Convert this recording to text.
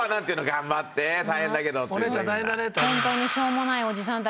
「頑張って大変だけど」って言うんだ？